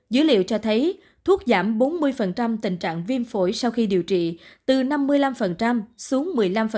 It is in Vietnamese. dữ liệu cho thấy thuốc giảm bốn mươi tình trạng viêm phổi sau khi điều trị từ năm mươi năm xuống một mươi năm